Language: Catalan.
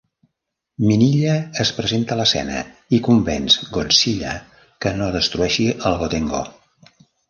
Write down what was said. Minilla es presenta a l'escena i convenç Godzilla que no destrueixi el Gotengo.